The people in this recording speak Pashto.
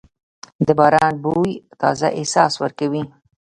د باران بوی تازه احساس ورکوي.